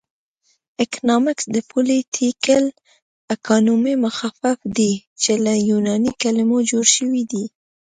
اکنامکس د پولیټیکل اکانومي مخفف دی چې له یوناني کلمو جوړ شوی دی